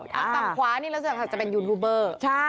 ฝั่งขวานี่ส่วนใหญ่จะเป็นยูทูบเบอร์